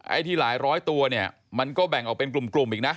ไอ้ที่หลายร้อยตัวเนี่ยมันก็แบ่งออกเป็นกลุ่มอีกนะ